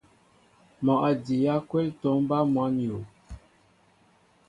Mol a njii yaakwɛl tomba măn yu.